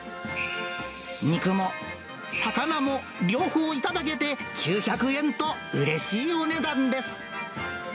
肉も魚も両方頂けて９００円と、うれしいお値段です。